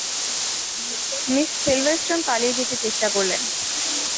Miss Silverstone পালিয়ে যেতে চেষ্টা করলেন।